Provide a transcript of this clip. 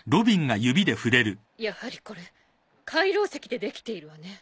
やはりこれ海楼石でできているわね。